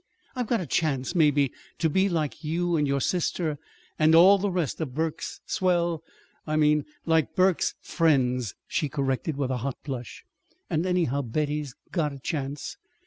I've got a chance, maybe, to be like you and your sister, and all the rest of Burke's swell I mean, like Burke's friends," she corrected, with a hot blush. "And, anyhow, Betty's got a chance.